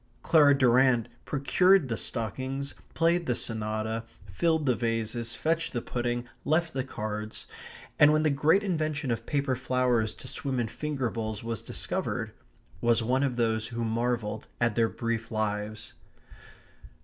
Clara Durrant procured the stockings, played the sonata, filled the vases, fetched the pudding, left the cards, and when the great invention of paper flowers to swim in finger bowls was discovered, was one of those who most marvelled at their brief lives.